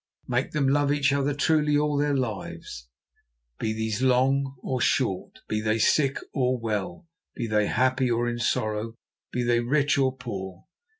Make them love each other truly all their lives, be these long or short, be they sick or well, be they happy or in sorrow, be they rich or poor.